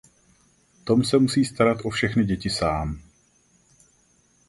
Tom se musí starat o všechny děti sám.